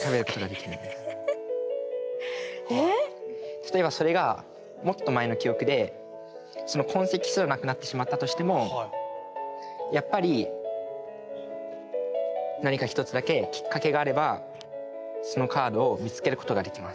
例えばそれがもっと前の記憶でその痕跡すらなくなってしまったとしてもやっぱり何か１つだけきっかけがあればそのカードを見つけることができます。